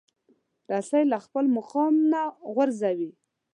رسۍ له خپل مقامه نه غورځي.